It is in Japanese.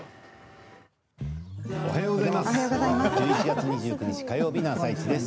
おはようございます。